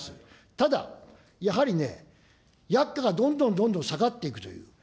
ただ、やはりね、薬価がどんどんどんどん下がっていくという。